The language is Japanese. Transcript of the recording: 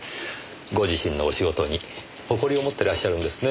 ご自身のお仕事に誇りを持ってらっしゃるんですね。